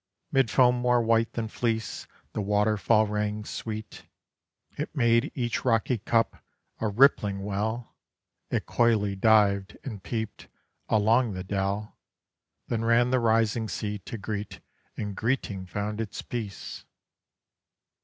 Mid foam more white than fleece The waterfall rang sweet, It made each rocky cup a rippling well, It coyly dived and peeped along the dell, Then ran the rising sea to greet, And greeting found its peace.